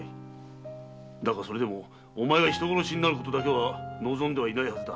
だがそれでもお前が人殺しになることは望んでいないはずだ。